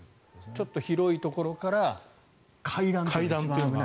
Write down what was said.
ちょっと広いところから階段というのが。